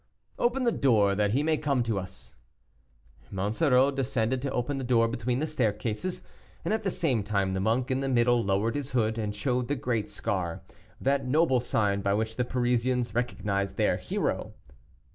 "Open the door that he may come to us." Monsoreau descended to open the door between the staircases, and at the same time the monk in the middle lowered his hood, and showed the great scar, that noble sign by which the Parisians recognized their hero.